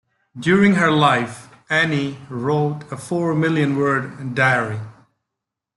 During her life, Anne wrote a four-million-word diary.